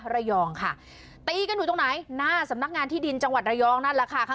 ระยองค่ะตีกันอยู่ตรงไหนหน้าสำนักงานที่ดินจังหวัดระยองนั่นแหละค่ะ